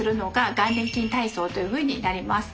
眼輪筋体操というふうになります。